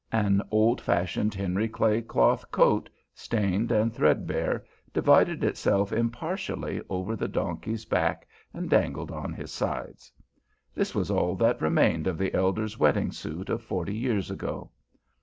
An old fashioned Henry Clay cloth coat, stained and threadbare, divided itself impartially over the donkey's back and dangled on his sides. This was all that remained of the elder's wedding suit of forty years ago.